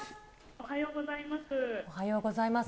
おはようございます。